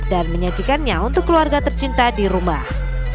menyajikannya untuk keluarga tercinta di rumah